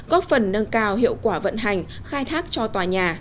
góp phần nâng cao hiệu quả vận hành khai thác cho tòa nhà